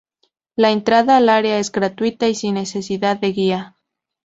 La entrada al área es gratuita y sin necesidad de guía.